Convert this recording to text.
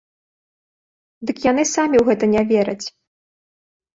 Дык яны самі ў гэта не вераць.